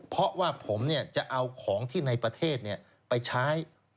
เพราะว่าผมจะเอาของที่ในประเทศไปใช้